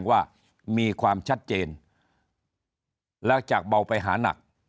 ว่ามีความชัดเจนแล้วจากเบาไปหานัก